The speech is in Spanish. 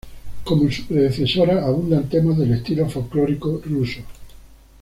Como en su predecesora, abundan temas del estilo folklórico ruso.